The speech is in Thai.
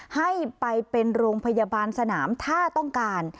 ให้ไปเป็นโรงพยาบาลสนามถ้าต้องการ